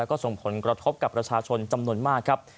กระทบกับประชาชนจำนวนมากครับ